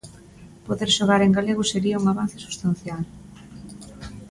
Poder xogar en galego sería un avance substancial.